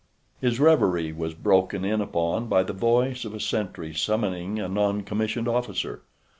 His reverie was broken in upon by the voice of a sentry summoning a non commissioned officer.